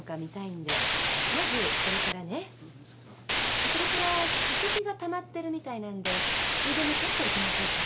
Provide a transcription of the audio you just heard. あっそれから歯石が溜まってるみたいなんでついでに取っておきましょうか。